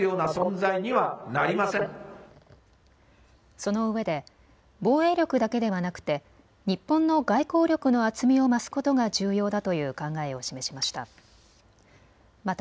そのうえで防衛力だけではなくて日本の外交力の厚みを増すことが重要だという考えを示しました。